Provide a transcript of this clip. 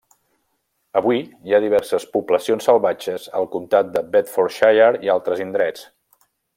Avui hi ha diverses poblacions salvatges al comtat de Bedfordshire i altres indrets.